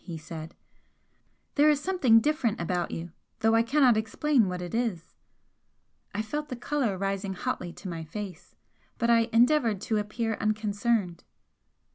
he said "There is something different about you, though I cannot explain what it is!" I felt the colour rising hotly to my face, but I endeavoured to appear unconcerned.